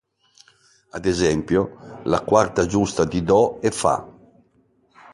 Ad esempio, la quarta giusta di Do è Fa.